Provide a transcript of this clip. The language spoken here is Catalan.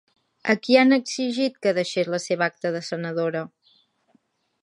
A qui han exigit que deixés la seva acta de senadora?